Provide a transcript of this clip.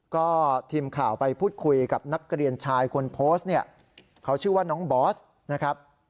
ก็ทีมข่าวไปพูดคุยกับนักเรียนชายคนโพสต์เนี่ยเขาชื่อว่าน้องบอสนะครับ